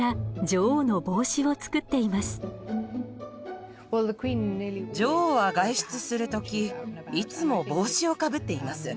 女王は外出する時いつも帽子をかぶっています。